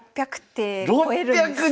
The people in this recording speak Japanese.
６００手超えるんです。